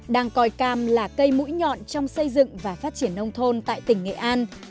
đang coi cam là cây mũi nhọn trong xây dựng và phát triển nông thôn tại tỉnh nghệ an